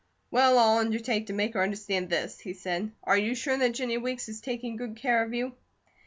"Well, I'll undertake to make her understand this," he said. "Are you sure that Jennie Weeks is taking good care of you?"